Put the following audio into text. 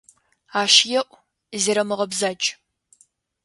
Ащ еӀу, зерэмыгъэбзадж.